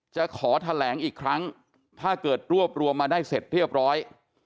จะขอแถลงอีกครั้งถ้าเกิดรวบรวมมาได้เสร็จเรียบร้อย